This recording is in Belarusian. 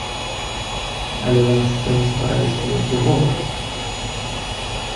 Але вы на сцэне ствараеце нейкі вобраз.